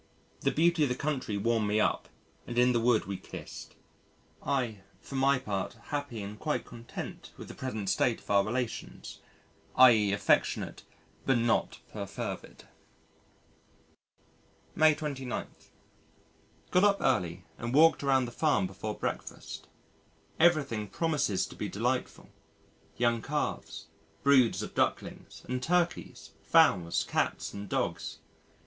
The beauty of the country warmed me up, and in the wood we kissed I for my part happy and quite content with the present state of our relations, i.e., affectionate but not perfervid. May 29. Got up early and walked around the Farm before breakfast. Everything promises to be delightful young calves, broods of ducklings, and turkeys, fowls, cats and dogs.